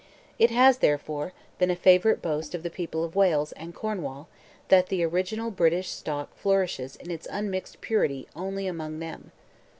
It has, therefore, been a favorite boast of the people of Wales and Cornwall that the original British stock flourishes in its unmixed purity only among them.